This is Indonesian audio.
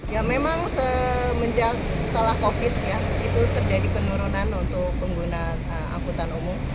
ya memang semenjak setelah covid ya itu terjadi penurunan untuk pengguna angkutan umum